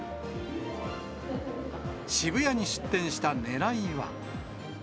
渋谷に出店したねらいは。